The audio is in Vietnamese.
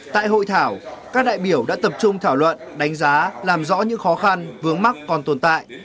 tại hội thảo các đại biểu đã tập trung thảo luận đánh giá làm rõ những khó khăn vướng mắt còn tồn tại